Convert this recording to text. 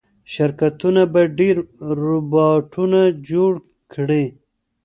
شرکتونه به ډېر روباټونه جوړ کړي.